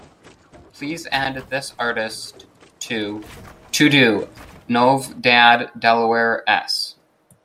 Please add this artist to TODO NOVEDADelawareS